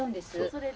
それで。